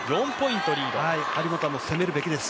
張本はもう攻めるべきです。